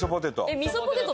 えっみそポテト